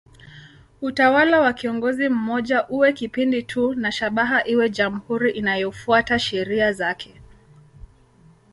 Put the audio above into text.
Utawala wa kiongozi mmoja uwe kipindi tu na shabaha iwe jamhuri inayofuata sheria zake.